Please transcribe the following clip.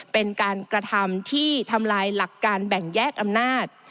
เป็นการกระทำที่ทำลายหลักการแบ่งแยกอำนาจ